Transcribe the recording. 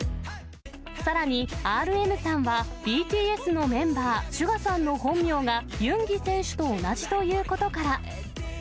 さらに、ＲＭさんは、ＢＴＳのメンバー、ＳＵＧＡさんの本名がユンギ選手と同じということから。